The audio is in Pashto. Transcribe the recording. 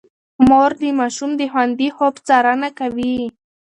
مور د ماشوم د خوندي خوب څارنه کوي.